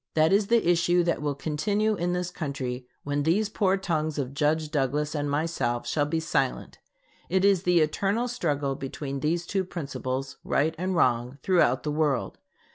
That is the issue that will continue in this country when these poor tongues of Judge Douglas and myself shall be silent. It is the eternal struggle between these two principles right and wrong throughout the world.